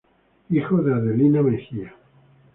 Hijo de Adelina Mejía.